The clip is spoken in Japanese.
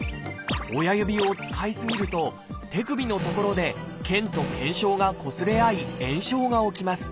親指を使い過ぎると手首の所で腱と腱鞘がこすれ合い炎症が起きます。